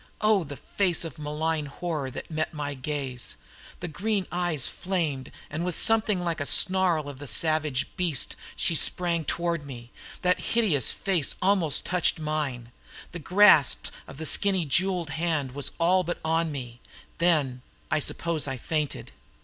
O the face of malign horror that met my gaze! The green eyes flamed, and with something like the snarl of a savage beast she sprang toward me; that hideous face almost touched mine; the grasp of the skinny jeweled hand was all but on me; then I suppose I fainted.